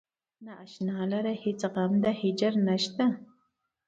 نا اشنا لره هیڅ غم د هجر نشته.